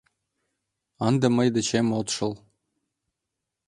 — Ынде мый дечем от шыл.